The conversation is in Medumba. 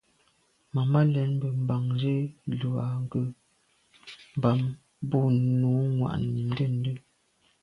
Màmá lɛ̀n mbə̄ mbǎŋ zí lú à gə́ bɑ̌m bú nǔ mwà’nì ndə̂ndə́.